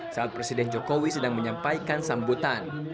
saat presiden jokowi sedang menyampaikan sambutan